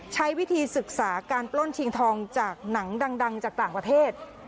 ใช้วิธีศึกษาการปล้นชิงทองจากหนังดังจากต่างประเทศ